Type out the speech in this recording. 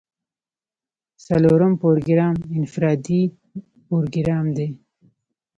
څلورم پروګرام انفرادي پروګرام دی.